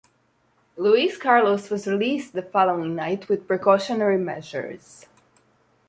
Luis Carlos was released the following night with precautionary measures.